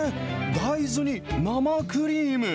大豆に生クリーム？